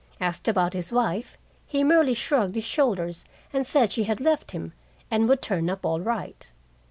Asked about his wife, he merely shrugged his shoulders and said she had left him, and would turn up all right.